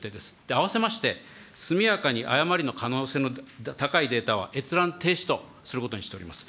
併せまして、速やかに誤りの可能性の高いデータは閲覧停止とすることにしております。